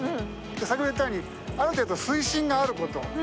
先ほども言ったようにある程度水深があること。